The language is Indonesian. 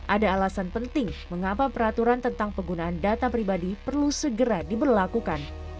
ada alasan penting mengapa peraturan tentang penggunaan data pribadi perlu segera diberlakukan